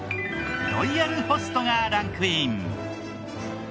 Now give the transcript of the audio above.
ロイヤルホストがランクイン。